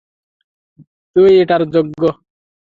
তুই এটারই যোগ্য।